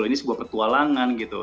ini sebuah petualangan gitu